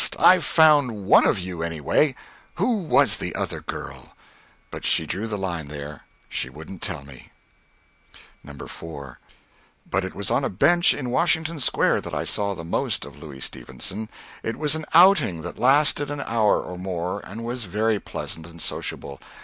I've found one of you, anyway! Who was the other girl?" But she drew the line there. She wouldn't tell me. FOOTNOTE: That house still stands. IV. ... But it was on a bench in Washington Square that I saw the most of Louis Stevenson. It was an outing that lasted an hour or more, and was very pleasant and sociable.